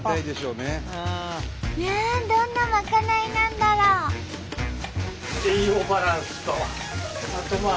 うんどんなまかないなんだろう？